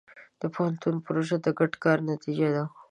د پوهنتون پروژه د ګډ کار نتیجه ده.